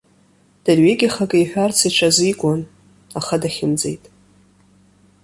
Дырҩегьых акы иҳәарц иҽазикуан, аха дахьымӡеит.